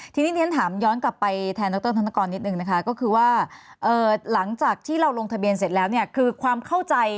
ทีนี้เรียนถามย้อนกลับไปแทนดรธนกรนิดนึงนะคะก็คือว่าหลังจากที่เราลงทะเบียนเสร็จแล้วเนี่ยคือความเข้าใจ